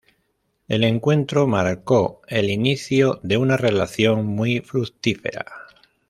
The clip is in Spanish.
El encuentro marcó el inicio de una relación muy fructífera.